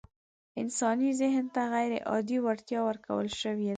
انساني ذهن ته غيرعادي وړتيا ورکول شوې ده.